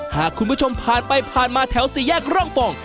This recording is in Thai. หากคุณผู้ชมผ่านไปผ่านมาแถวสี่แยกร่องฟอง